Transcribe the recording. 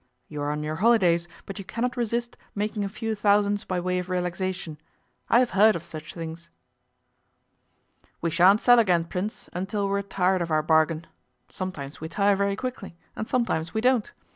You are on your holidays, but you cannot resist making a few thousands by way of relaxation. I have heard of such things.' 'We sha'n't sell again, Prince, until we are tired of our bargain. Sometimes we tire very quickly, and sometimes we don't.